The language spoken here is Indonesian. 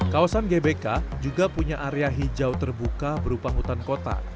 kawasan gbk juga punya area hijau terbuka berupa hutan kota